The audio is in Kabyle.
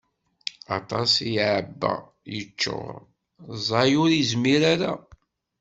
Aṭas i yeɛebba yeččur, ẓẓay ur yezmir ara.